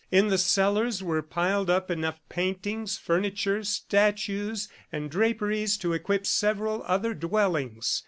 In the cellars were piled up enough paintings, furniture, statues, and draperies to equip several other dwellings.